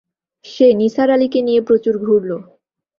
সে নিসার আলিকে নিয়ে প্রচুর ঘুরল।